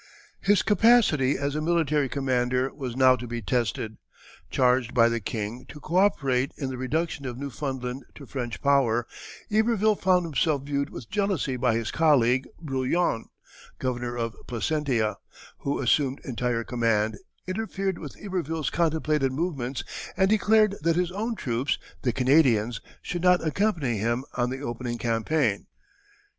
His capacity as a military commander was now to be tested. Charged by the king to co operate in the reduction of Newfoundland to French power, Iberville found himself viewed with jealousy by his colleague, Brouillan, governor of Placentia, who assumed entire command, interfered with Iberville's contemplated movements, and declared that his own troops, the Canadians, should not accompany him on the opening campaign.